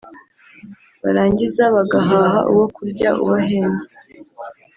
barangiza bagahaha uwo kurya ubahenze